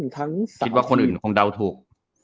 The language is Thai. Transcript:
คิดว่าคนอื่นคงเดาถูก